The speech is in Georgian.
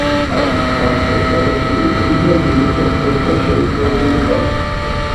აქვს ფართო, გადაშლილი პირი და ძირისკენ მკვეთრად შევიწროებული კალთა.